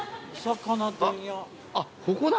あっここだ。